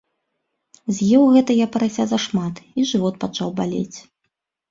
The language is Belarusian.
З'еў гэта я парася зашмат, і жывот пачаў балець.